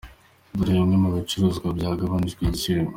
Dore bimwe mu bicuruzwa byagabanijwe igiciro.